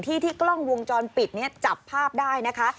ที่ที่กล้องวงจรปิดนี้จับภาพได้นะคะ